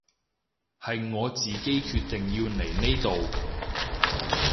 係我自己決定要嚟呢度